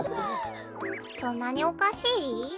そんなにおかしい？